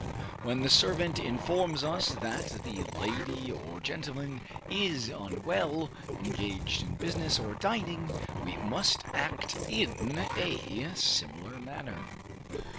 When the servant informs us that the lady or gentleman is unwell, engaged in business, or dining, we must act in a similar manner.